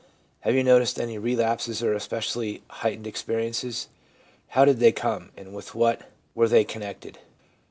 Have you noticed any relapses or especially heightened experi ences ? How did they come, and with what were they connected